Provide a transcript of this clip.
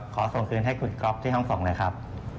ขอส่งคืนให้คุณก๊อฟที่ห้องส่งเลยครับ